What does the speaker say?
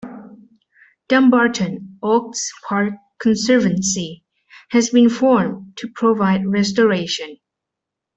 Dumbarton Oaks Park Conservancy has been formed to provide restoration.